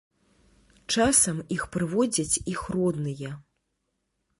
Часам іх прыводзяць іх родныя.